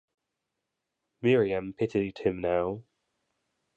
Miriam pitied him now.